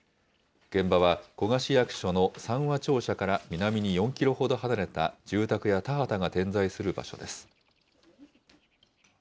現場は古河市役所の三和庁舎から南に４キロほど離れた、住宅や田畑が点在する場所です。